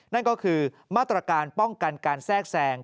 นั่นก็คือมาตรการป้องกันการแทรกแทรง